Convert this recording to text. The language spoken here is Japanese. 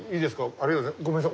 ありがとうございます。